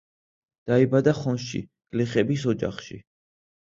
დაიბადა ხონში, გლეხების ოჯახში.